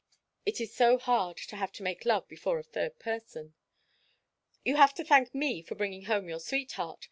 It is so hard to have to make love before a third person. "You have to thank me for bringing home your sweetheart.